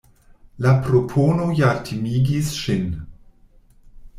La propono ja timigis ŝin.